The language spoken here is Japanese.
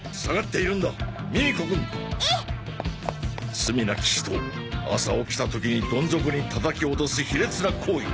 罪なき人を朝起きた時にどん底に叩き落とす卑劣な行為！